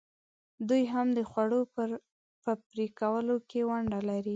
دوی هم د خوړو په پرې کولو کې ونډه لري.